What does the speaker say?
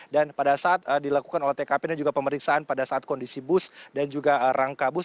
dan pada saat dilakukan olah tkp dan juga pemeriksaan pada saat kondisi bus dan juga rangka bus